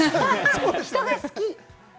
人が好き。